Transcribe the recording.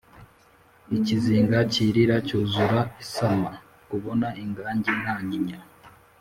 ikizinga cy’irira cyuzura isama kubona ingajyi ntanyinya